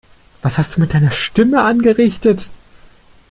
Was hast du mit deiner Stimme angerichtet?